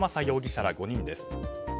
容疑者ら５人です。